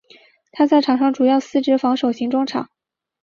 他在场上主要司职防守型中场。